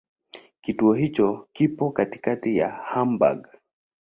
Kituo hicho kipo katikati ya Hamburg.